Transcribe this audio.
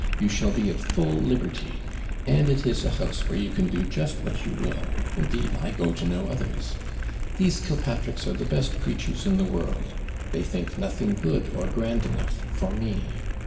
You shall be at full liberty; and it is a house where you can do just what you will. Indeed, I go to no others. These Killpatricks are the best creatures in the world; they think nothing good or grand enough for me.